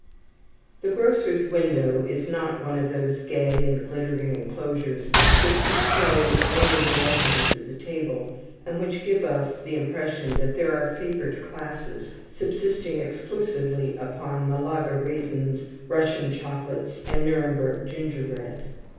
The grocer's window is not one of those gay and glittering enclosures which display only the luxuries of the table, and which give us the impression that there are favoured classes subsisting exclusively upon Malaga raisins, Russian chocolates, and Nuremberg gingerbread.